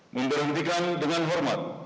memberhentikan dengan hormat